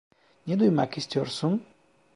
Ne duymak istiyorsun?